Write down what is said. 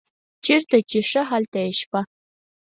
چیرته چې ښه هلته یې شپه.